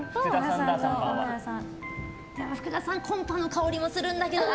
福田さん、コンパの香りするんだけどな。